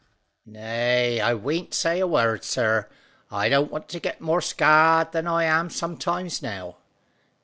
"Nay, I wean't say a word, sir; I don't want to get more scarred than I am sometimes now."